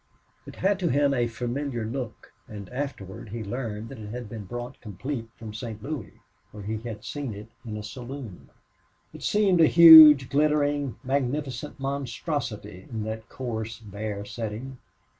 It had to him a familiar look, and afterward he learned that it had been brought complete from St. Louis, where he had seen it in a saloon. It seemed a huge, glittering, magnificent monstrosity in that coarse, bare setting.